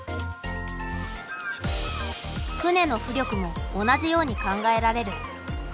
船の浮力も同じように考えられる。